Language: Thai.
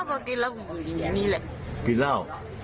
คิดว่ากินแล้วกินแบบโอครับ